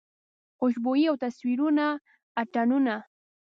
خوشبويي او تصویرونه اتڼونه